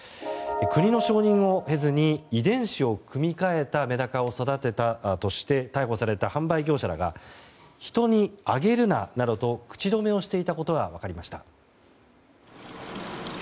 国の承認を得ずに遺伝子を組み替えたメダカを育てたとして逮捕された販売業者らが人にあげるななどと口止めしていたことが分かりました。